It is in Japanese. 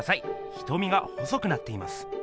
瞳が細くなっています。